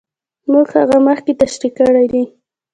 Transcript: موږ هغه مخکې تشرېح کړې دي.